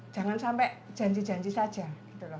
jangan sampai janji janji saja